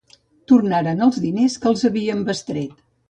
Tornaren els diners que els havien bestret.